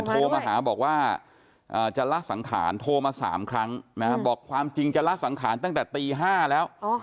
โทรมาหาบอกว่าจะละสังขารโทรมา๓ครั้งบอกความจริงจะละสังขารตั้งแต่ตี๕แล้ว